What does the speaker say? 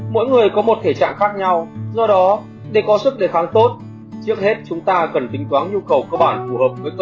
mỗi người có một thể trạng khác nhau do đó để có sức đề kháng tốt trước hết chúng ta cần tính toán nhu cầu cơ bản phù hợp